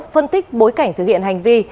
phân tích bối cảnh thực hiện hành vi